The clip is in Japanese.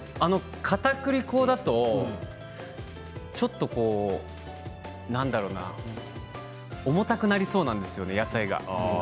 かたくり粉だと、ちょっとなんだろうな重たくなりそうなんですよね野菜が。